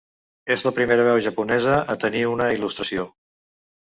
És la primera veu japonesa a tenir una il·lustració.